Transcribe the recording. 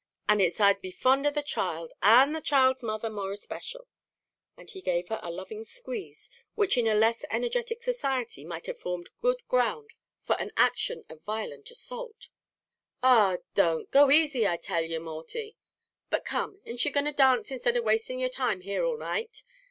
And it's I'd be fond of the child and the child's mother more especial," and he gave her a loving squeeze, which in a less energetic society might have formed good ground for an action for violent assault. "Ah don't! Go asy I tell you, Morty. But come, an't you going to dance instead of wasting your time here all night?"